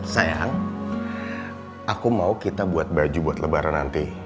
sayang aku mau kita buat baju buat lebaran nanti